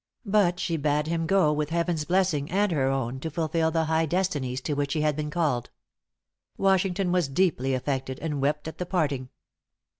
But she bade him go, with heaven's blessing and her own, to fulfil the high destinies to which he had been called. Washington was deeply affected, and wept at the parting.